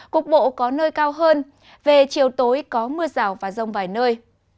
cục bộ có nơi cao hơn về chiều tối có mưa rào và rông vài nơi